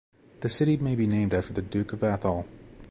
The city may be named after the Duke of Atholl.